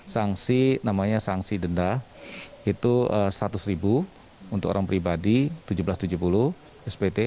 sanksi namanya sanksi denda itu seratus untuk orang pribadi tujuh belas tujuh puluh spt